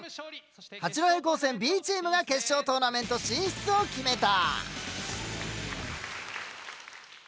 八戸高専Ｂチームが決勝トーナメント進出を決めた。